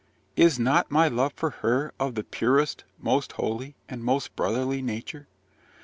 Is not my love for her of the purest, most holy, and most brotherly nature?